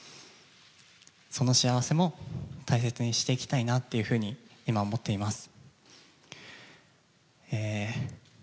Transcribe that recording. その幸せも大切にしていきたいなっていうふうに今、思っています。